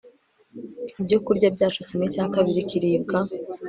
ibyokurya byacu kimwe cya kabiri kiribwa